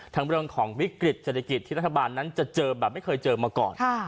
เรื่องของวิกฤตเศรษฐกิจที่รัฐบาลนั้นจะเจอแบบไม่เคยเจอมาก่อน